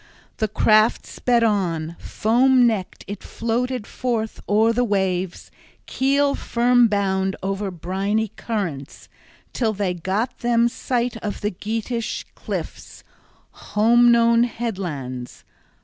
The craft sped on, foam necked it floated forth o'er the waves, keel firm bound over briny currents, till they got them sight of the Geatish cliffs, home known headlands.